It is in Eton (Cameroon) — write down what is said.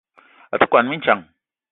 A te kwuan mintsang.